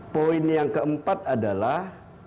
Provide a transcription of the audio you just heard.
poin yang keempat adalah